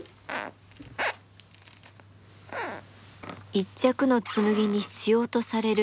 一着の紬に必要とされる